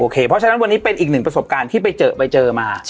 เพราะฉะนั้นวันนี้เป็นอีกหนึ่งประสบการณ์ที่ไปเจอไปเจอมา